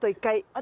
私。